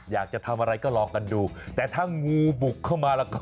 อยากจะทำอะไรก็ลองกันดูแต่ถ้างูบุกเข้ามาแล้วก็